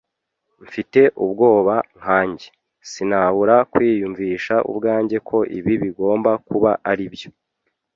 Mfite ubwoba nkanjye, sinabura kwiyumvisha ubwanjye ko ibi bigomba kuba aribyo